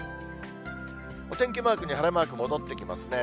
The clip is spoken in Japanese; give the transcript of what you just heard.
お天気マークに晴れマーク戻ってきますね。